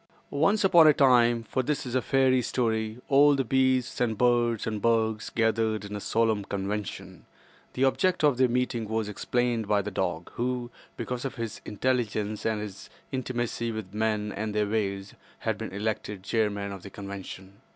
Once upon a time—for this is a fairy story—all the beasts and birds and bugs gathered in a solemn convention. The object of their meeting was explained by the dog, who—because of his intelligence and his intimacy with men and their ways—had been elected chairman of the convention.